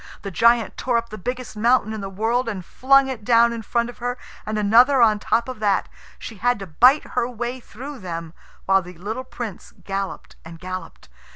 The giant tore up the biggest mountain in the world and flung it down in front of her, and another on the top of that. She had to bite her way through them, while the little Prince galloped and galloped.